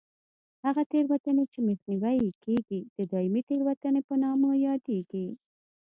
هغه تېروتنې چې مخنیوی یې کېږي د دایمي تېروتنې په نامه یادېږي.